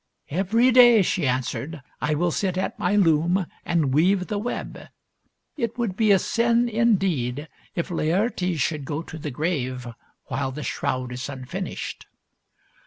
" Every day," she answered, " I will sit at my loom and weave the web. It would be a sin, indeed, if Laertes should go to the grave while the shroud is unfinished."